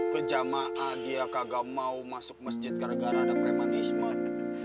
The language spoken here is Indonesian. ke jamaah dia kagak mau masuk masjid gara gara ada preman isman